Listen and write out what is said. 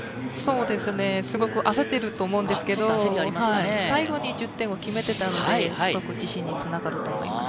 すごく焦ってると思うんですけど、最後に１０点を決めていたので、すごく自信に繋がると思います。